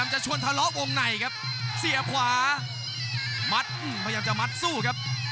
เหยียบขวามัดอื้มพยายามจะมัดสู้ครับ